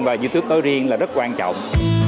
và youtube tối riêng là rất quan trọng